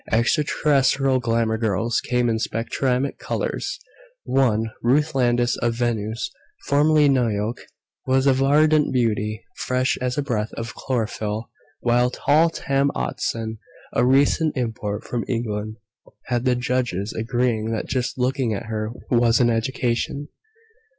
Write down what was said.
Extraterrestrial glamour girls came in spectrumatic colors: one, Ruth Landis of Venus (formerly Nuyok), was a verdant beauty, fresh as a breath of chlorophyll; while tall Tam Otteson, a recent import from England, had the judges agreeing that just looking at her was an education.